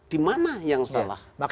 di mana yang salah